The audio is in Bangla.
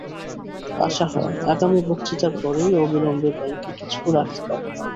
আশা হয়, আগামী বক্তৃতার পরেই অবিলম্বে ব্যাঙ্কে কিছু রাখতে পারব।